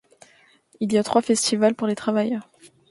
Il y a trois festivals pour les travailleurs.